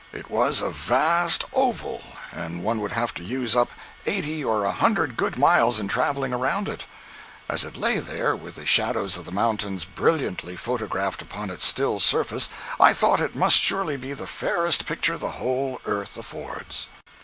It was a vast oval, and one would have to use up eighty or a hundred good miles in traveling around it. As it lay there with the shadows of the mountains brilliantly photographed upon its still surface I thought it must surely be the fairest picture the whole earth affords.